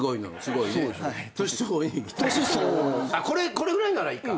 これぐらいならいいか。